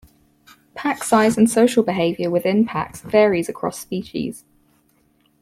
Pack size and social behaviour within packs varies across species.